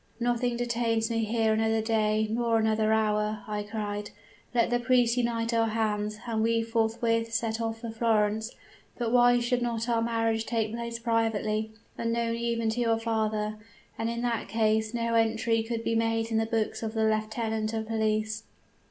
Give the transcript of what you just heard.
"'Nothing detains me here another day, nor another hour,' I cried; 'let the priest unite our hands, and we forthwith set off for Florence. But why should not our marriage take place privately, unknown even to your father? and in that case no entry could be made in the books of the lieutenant of police.'